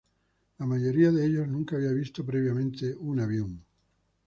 La mayoría de ellos nunca habían visto previamente un avión.